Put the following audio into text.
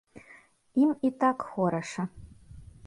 Ім і так хораша.